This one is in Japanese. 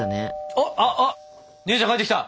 あっ姉ちゃん帰ってきた！